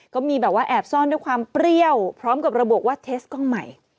ก็มีแบบว่าแอบซ่อนด้วยความเปรี้ยวพร้อมกับระบุว่าเทสกล้องใหม่